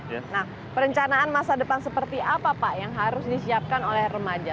nah perencanaan masa depan seperti apa pak yang harus disiapkan oleh remaja